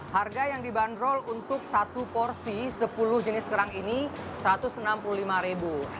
harga yang dibanderol untuk satu porsi sepuluh jenis kerang ini rp satu ratus enam puluh lima